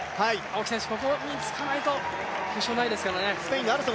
青木選手、ここにつかないと決勝ないですからね。